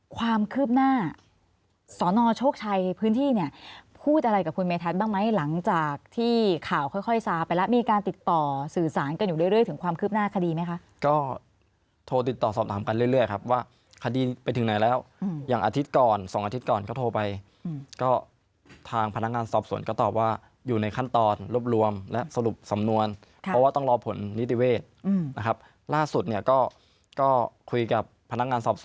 ค่อยค่อยซ้าไปแล้วมีการติดต่อสื่อสารกันอยู่เรื่อยเรื่อยถึงความคืบหน้าคดีไหมคะก็โทรติดต่อสอบถามกันเรื่อยเรื่อยครับว่าคดีไปถึงไหนแล้วอย่างอาทิตย์ก่อนสองอาทิตย์ก่อนก็โทรไปก็ทางพนักงานสอบสวนก็ตอบว่าอยู่ในขั้นตอนรวบรวมและสรุปสำนวนเพราะว่าต้องรอผลนิติเวชนะครับล่าสุดเนี้ยก็ก็